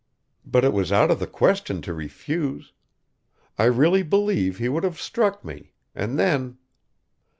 But it was out of the question to refuse; I really believe he would have struck me, and then